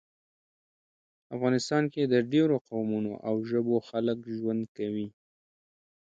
افغانستان کې د ډیرو قومونو او ژبو خلک ژوند کوي